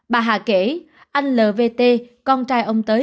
bà hạ kể anh lvt con trai ông tê